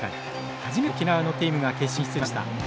初めて沖縄のチームが決勝に進出しました。